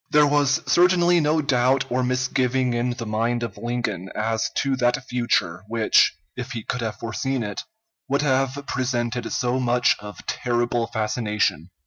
There was certainly no doubt or misgiving in the mind of Lincoln as to that future, which, if he could have foreseen it, would have presented so much of terrible fascination.